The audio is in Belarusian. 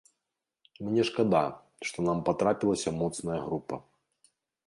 Мне шкада, што нам патрапілася моцная група.